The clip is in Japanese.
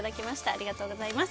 ありがとうございます。